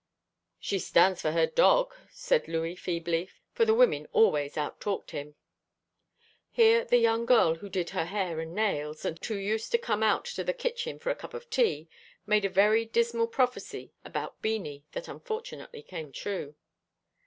"She stands for her dog," said Louis feebly, for the women always out talked him. Here the young girl who did her hair and nails, and who used to come out to the kitchen for a cup of tea, made a very dismal prophecy about Beanie that unfortunately came true.